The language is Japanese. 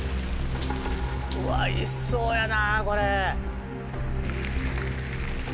うわいそうやなこれ。